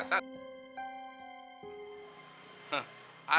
asal mak enok tau ya